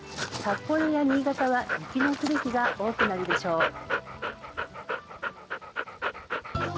札幌や新潟は雪の降る日が多いでしょう。